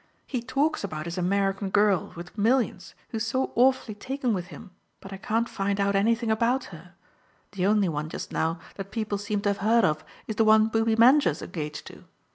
He talks about his American girl, with millions, who's so awfully taken with him, but I can't find out anything about her: the only one, just now, that people seem to have heard of is the one Booby Manger's engaged to.